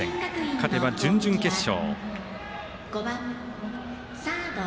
勝てば準々決勝。